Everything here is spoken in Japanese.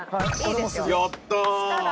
やったー！